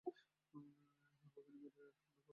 ভগিনী মেরীর এক সুন্দর পত্র পেয়েছি।